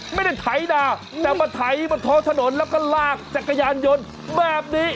ไม่ได้ไถนาแต่มาไถบนท้องถนนแล้วก็ลากจักรยานยนต์แบบนี้